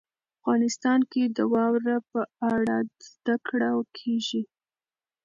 افغانستان کې د واوره په اړه زده کړه کېږي.